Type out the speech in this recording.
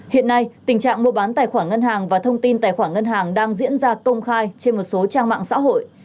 hiện nay tình trạng mua bán tài khoản ngân hàng và thông tin tài khoản ngân hàng đang diễn ra công khai trên một số trang mạng xã hội